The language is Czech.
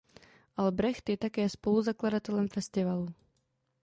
Albrecht je také spoluzakladatelem festivalu.